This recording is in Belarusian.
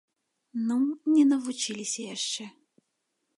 Ну, не навучыліся яшчэ.